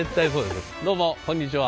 どうもこんにちは。